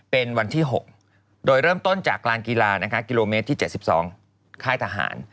เป็นวันที่๖โดยเริ่มต้นจากลานกีฬานะคะกิโลเมตรที่๗๒ค่ายทหาร